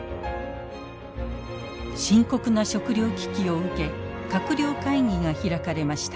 深刻な食料危機を受け閣僚会議が開かれました。